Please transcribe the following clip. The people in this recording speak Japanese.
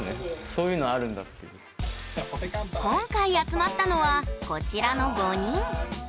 何か今回集まったのはこちらの５人。